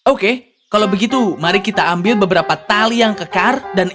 oke kalau begitu mari kita ambil beberapa tali yang kekar